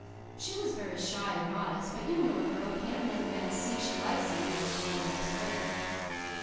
She was very shy and modest, but you know a girl can let a man see she likes him without going out of her way.